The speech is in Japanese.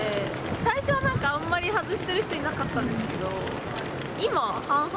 最初はなんかあんまり外してる人、いなかったんですけど、今、半々。